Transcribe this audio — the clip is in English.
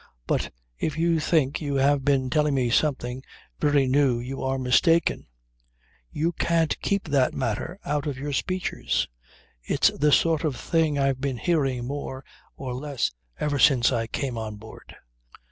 "But if you think you have been telling me something very new you are mistaken. You can't keep that matter out of your speeches. It's the sort of thing I've been hearing more or less ever since I came on board."